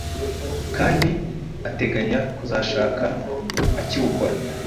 kandi ateganya kuzashaka akiwukora